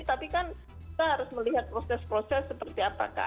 tapi kan kita harus melihat proses proses seperti apakah